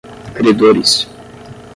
credores